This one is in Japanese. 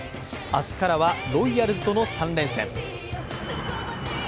明日からはロイヤルズとの３連戦。